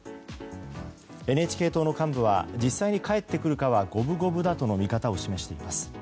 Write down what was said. ＮＨＫ党の幹部は実際に帰ってくるかは五分五分だとの見方を示しています。